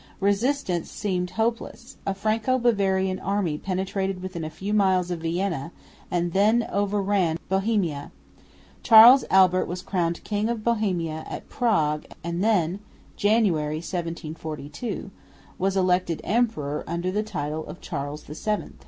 Resistance seemed hopeless. A Franco Bavarian army penetrated within a few miles of Vienna, and then overran Bohemia. Charles Albert was crowned King of Bohemia at Prague and then (January, 1742) was elected Emperor under the title of Charles VII.